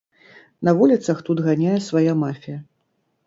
На вуліцах тут ганяе свая мафія.